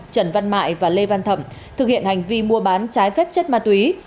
trần văn mạ và lê văn thẩm thực hiện hành vi mua bán trái phép chất ma túy